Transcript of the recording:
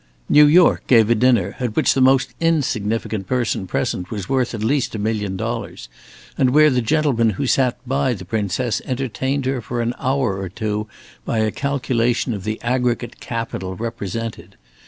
New York gave a dinner, at which the most insignificant person present was worth at least a million dollars, and where the gentlemen who sat by the Princess entertained her for an hour or two by a calculation of the aggregate capital represented.